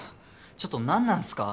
ちょっと何なんすか？